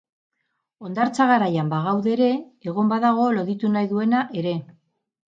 Hondartza garaian bagaude ere, egon badago loditu nahi duena ere.